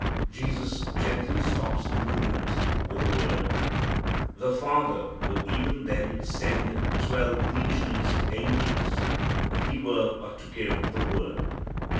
Jesus gently stops the movement with a word. The Father would even then send twelve legions of angels if He were but to give the word.